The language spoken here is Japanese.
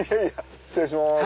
失礼します。